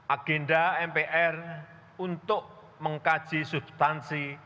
agenda mpr untuk mengkaji substansi